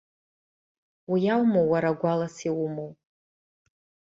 Уи аума уара гәалас иумоу.